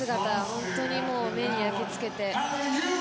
本当に目に焼き付けて。